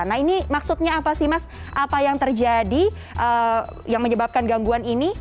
nah ini maksudnya apa sih mas apa yang terjadi yang menyebabkan gangguan ini